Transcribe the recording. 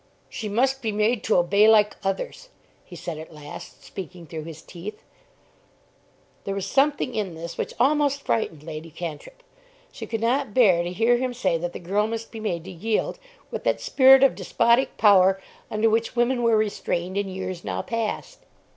"She must be made to obey like others," he said at last, speaking through his teeth. There was something in this which almost frightened Lady Cantrip. She could not bear to hear him say that the girl must be made to yield, with that spirit of despotic power under which women were restrained in years now passed.